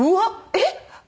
えっ？